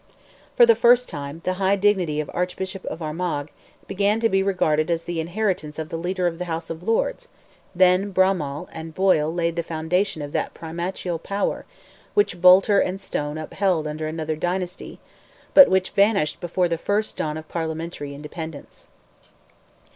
For the first time, the high dignity of Archbishop of Armagh began to be regarded as the inheritance of the leader of the House of Lords; then Brahmall and Boyle laid the foundation of that primatial power which Boulter and Stone upheld under another dynasty, but which vanished before the first dawn of Parliamentary independence.